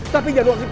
tapi jangan uang sih